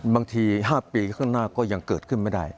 บางที๕ปีข้างหน้าก็ยังเกิดขึ้นไม่ได้